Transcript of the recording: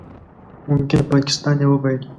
ممکن پاکستان یې وبایلي